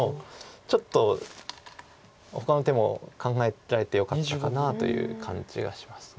ちょっとほかの手も考えられるとよかったかなという感じがします。